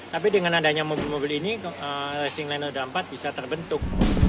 tapi dengan adanya mobil mobil ini racing line roda empat bisa terbentuk